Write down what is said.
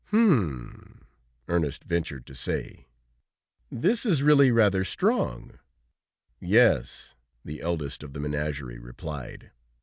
"Hum!" Ernest ventured to say, "this is really rather strong!" "Yes," the eldest of the menagerie replied.